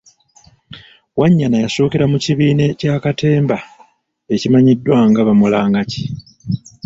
Wanyana yasookera mu kibiina kya Katemba ekimanyiddwa nga Bamulangaki.